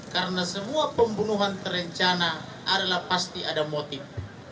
karena semua pembunuhan terencana adalah pasti ada motif